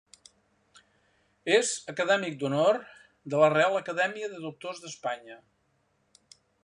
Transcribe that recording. És acadèmic d'honor de la Reial Acadèmia de Doctors d'Espanya.